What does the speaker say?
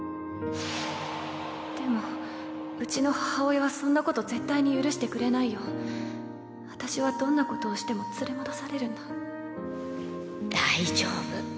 でもうちの母親はそんなこと絶対に私はどんなことをしても連れ戻される大丈夫。